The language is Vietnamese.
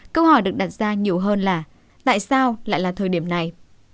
câu hỏi được đặt ra nhiều hơn là tại sao lại là thời điểm này